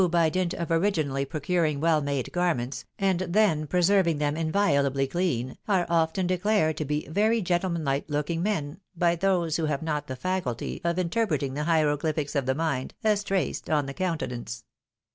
by diut of originaiiy procuring well made garments, and then preserving them inviolably clean, are often declared to be very gentleman like looking men by those who have not the faculty of interpreting the hieroglyphics of the mind, as traced on the countenance.